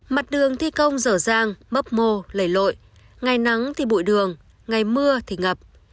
mặt đường thi công dở dàng bấp mô lầy lội ngày nắng thì bụi đường ngày mưa thì ngập